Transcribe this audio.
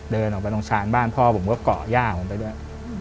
เดินออกไปตรงชานบ้านพ่อผมก็เกาะย่าผมไปด้วย